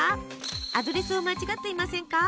アドレスを間違っていませんか？